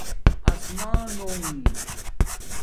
آسمانونݣ